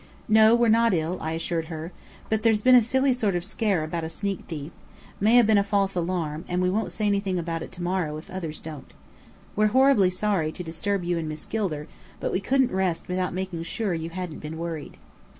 "No, we're not ill," I assured her. "But there's been a silly sort of scare about a sneak thief: may have been a false alarm, and we won't say anything about it to morrow, if others don't. We're horribly sorry to disturb you and Miss Gilder, but we couldn't rest without making sure you hadn't been worried."